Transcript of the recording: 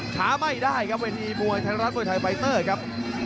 ช้าไม่ได้ครับเวทีมวยไทยรัฐมวยไทยไฟเตอร์ครับ